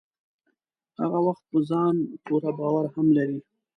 هغه وخت په ځان پوره باور هم لرئ.